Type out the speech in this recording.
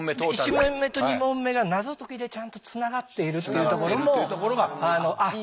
１問目と２問目が謎解きでちゃんとつながっているっていうところもあっ